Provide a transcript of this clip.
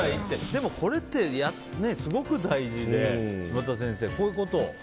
でもこれってすごく大事で、沼田先生こういうことを。